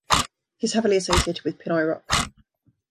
He is heavily associated with Pinoy rock.